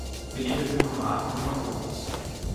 O Felipe é primo do Marcos e do Mateus.